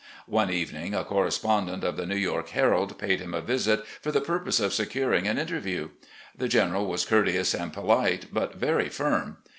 One evening a correspondent of the New York Herald paid him a visit for the purpose of securing an interview. The General was courteous and polite, but very firm.